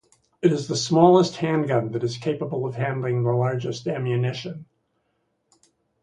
It is the smallest handgun that is capable of handling the largest ammunition.